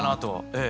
ええ。